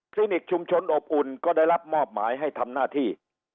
นิกชุมชนอบอุ่นก็ได้รับมอบหมายให้ทำหน้าที่